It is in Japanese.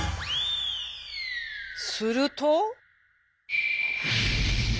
すると。